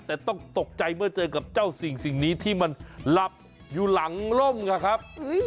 แต่ต้องตกใจเมื่อเจอกับเจ้าสิ่งนี้ที่มันหลับอยู่หลังร่มครับ